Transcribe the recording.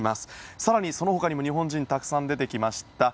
更にそのほかにも日本人たくさん出てきました。